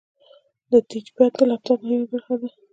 د ټچ پیډ د لپټاپ مهمه برخه ده.